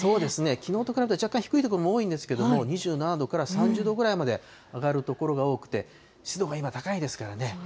きのうと比べると、若干低い所も多いんですけれども、２７度から３０度ぐらいまで上がる所が多くて、湿度が今、高いですからね。